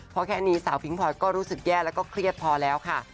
เพราะแค่นี้สาวพิงพลอยก็รู้สึกแย่แล้วก็เครียดพอแล้วค่ะ